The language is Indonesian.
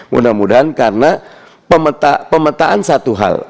mudah mudahan karena pemetaan satu hal